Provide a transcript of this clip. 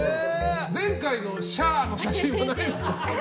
前回のシャー！の写真はないんですか。